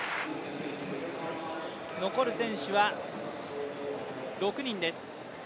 残る選手は６人です。